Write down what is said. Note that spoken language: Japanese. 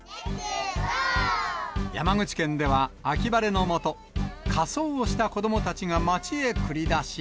山口県では、秋晴れの下、仮装をした子どもたちが街へ繰り出し。